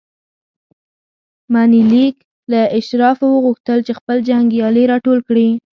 منیلیک له اشرافو وغوښتل چې خپل جنګیالي راټول کړي.